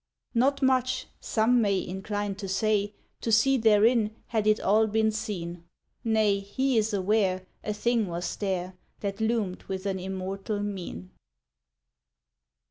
Not much, some may Incline to say, To see therein, had it all been seen. Nay! he is aware A thing was there That loomed with an immortal mien.